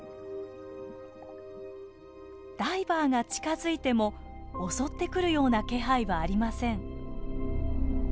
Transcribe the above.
ダイバーが近づいても襲ってくるような気配はありません。